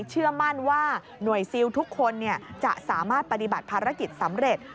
เชื่อมั่นว่าหน่วยซิลทุกคนจะสามารถปฏิบัติภารกิจสำเร็จ